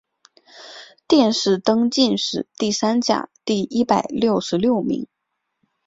殿试登进士第三甲第一百六十六名。